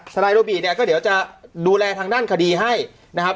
นายโรบีเนี่ยก็เดี๋ยวจะดูแลทางด้านคดีให้นะครับ